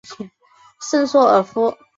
圣索尔夫。